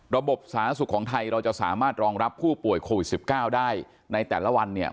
สาธารณสุขของไทยเราจะสามารถรองรับผู้ป่วยโควิด๑๙ได้ในแต่ละวันเนี่ย